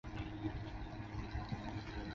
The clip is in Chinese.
明朝时为沈阳中卫。